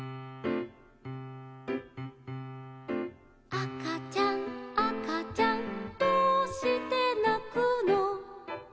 「あかちゃんあかちゃんどうしてなくの」